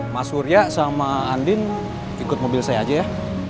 mas surya sama andin ikut mobil saya aja ya